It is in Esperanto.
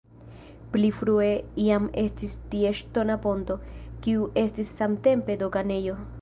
Pli frue jam estis tie ŝtona ponto, kiu estis samtempe doganejo.